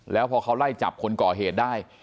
แล้วพอเขาไล่จับคนก่อเหตุได้